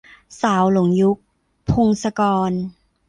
สาวหลงยุค - พงศกร